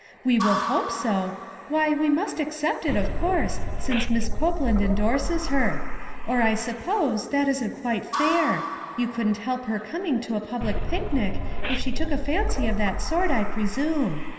We will hope so; why, we must accept it, of course, since Miss Copeland indorses her. Or, I suppose, 84 ONE COMMONPLACE DAY. that isn't quite fair ; you couldn't help her coming to a public picnic if she took a fancy of that sort, I presume.